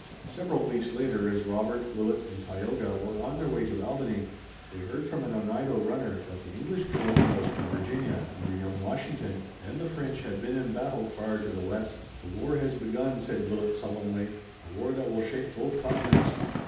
Several weeks later, as Robert, Willet, and Tayoga were on their way to Albany, they heard from an Oneida runner that the English colonials from Virginia, under young Washington, and the French had been in battle far to the west. "The war has begun," said Willet solemnly, "a war that will shake both continents."